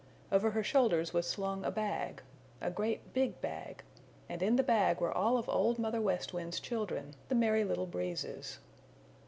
Over her shoulders was slung a bag a great big bag and in the bag were all of Old Mother West Wind's children, the Merry Little Breezes.